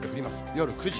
夜９時。